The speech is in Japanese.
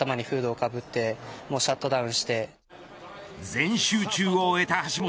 全集中を終えた橋本。